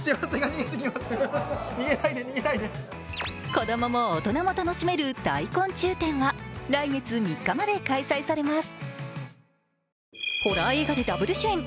子供も大人も楽しめる大昆虫展は来月３日まで開催されます。